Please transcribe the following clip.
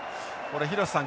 廣瀬さん